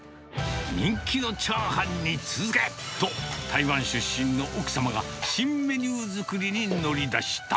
人気のチャーハンに続けと、台湾出身の奥様が、新メニュー作りに乗り出した。